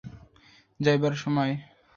যাইবার সময় খুব ঘটা করিয়া পায়ের ধুলা লইল।